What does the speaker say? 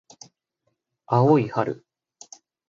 青い春